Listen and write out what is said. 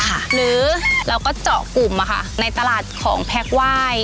หรือเราก็เจาะกลุ่มในตลาดของแพ็คไหว้